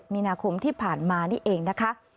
มีนาคมที่ผ่านมานี่เองนะคะ